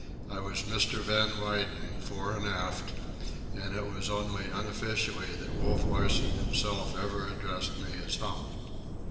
I was "Mr. Van Weyden" fore and aft, and it was only unofficially that Wolf Larsen himself ever addressed me as "Hump."